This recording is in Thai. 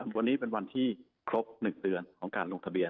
วันนี้เป็นวันที่ครบ๑เดือนของการลงทะเบียน